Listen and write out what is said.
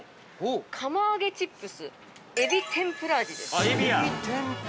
「釜揚げチップス海老天ぷら味」です。